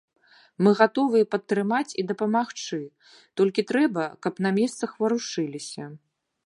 Мы гатовыя падтрымаць і дапамагчы, толькі трэба, каб на месцах варушыліся.